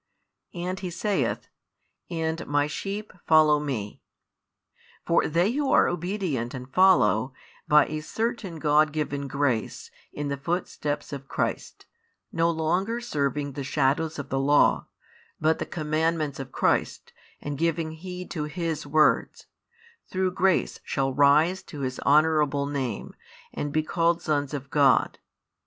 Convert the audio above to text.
And He saith: And My sheep follow Me; for they who are obedient and follow, by a certain God given grace, in the footsteps of Christ, no longer serving the shadows of the Law, but the commandments of Christ, and giving heed to His words, through grace shall rise to His honourable Name, and be called sons of God.